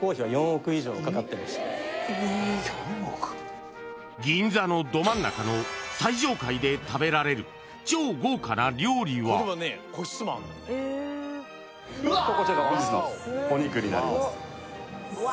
４億銀座のど真ん中の最上階で食べられる超豪華な料理はうわ！